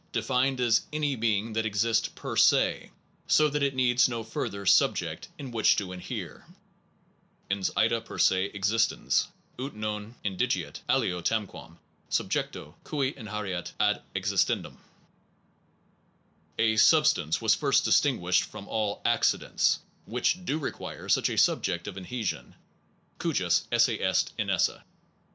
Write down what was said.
Defined as any being that exists Monism p er se? so that it needs no further sub of sub stance ject in which to inhere (Ens ita per se existens, ut non indigeat alio tamquam sub jecto, cui inhaereat, ad existendum) a substance * was first distinguished from all accidents (which do require such a subject of inhesion cujus esse est inesse).